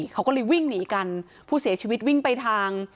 เขาก็เลยวิ่งหนีกันผู้เสียชีวิตวิ่งไปทาง